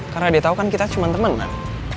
karena dia tau kan kita cuma temen kan